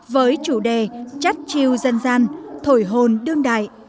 với chủ đề chất chiêu dân gian thổi hồn đương đại